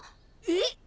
えっ？